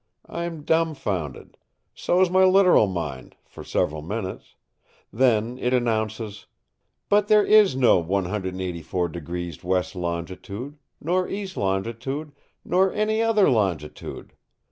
I am dumbfounded. So is my literal mind, for several minutes. Then it enounces: "But there is no 184° west longitude, nor east longitude, nor any other longitude.